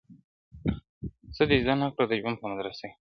• څه دي زده نه کړه د ژوند په مدرسه کي,